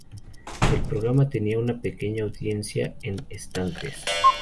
El programa tenía una pequeña audiencia en estantes.